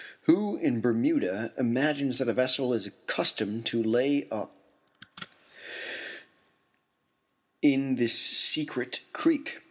Who in Bermuda imagines that a vessel is accustomed to lay up in this secret creek?